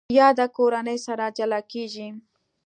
یاده کورنۍ سره جلا کېږي.